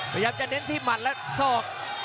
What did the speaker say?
พยายามจะเน้นที่หมัดและศอก